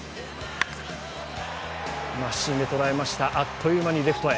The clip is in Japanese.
真芯で捉えました、あっという間にレフトへ。